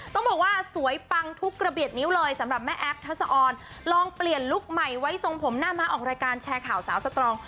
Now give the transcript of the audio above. ต้องบอกว่าสวยปังทุกระเบียดนิ้วเลยสำหรับแม่แอฟทัศออนลองเปลี่ยนลุคใหม่ไว้ทรงผมหน้าม้าออกรายการแชร์ข่าวสาวสตรอง